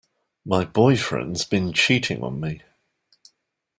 My boyfriend's been cheating on me.